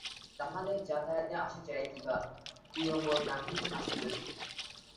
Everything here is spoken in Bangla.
তাহাদের যাতায়াতে আসে যায় কিবা প্রিয় মোর নাহি আসে যদি।